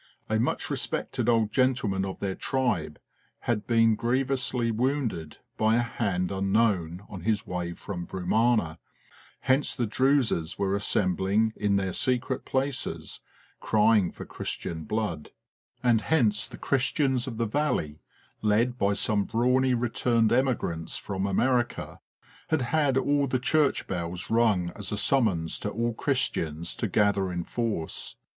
A much respected old gentleman of their tribe had been grievously wounded by a hand unknown on his way FORGOTTEN WARFARE 73 from Brumana; hence the Druses were assembling in their secret places crying for Christian blood ; and hence the Christians of the valley, led by some brawny returned emigrants from America, had had all the church bells rung as a summons to all Christ ians to gather in force.